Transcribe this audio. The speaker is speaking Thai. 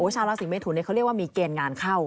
ชาวราศีเมทุนเขาเรียกว่ามีเกณฑ์งานเข้า